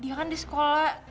dia kan di sekolah